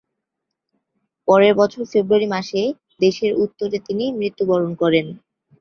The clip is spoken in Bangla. পরের বছর ফেব্রুয়ারি মাসে দেশের উত্তরে তিনি মৃত্যুবরণ করেন।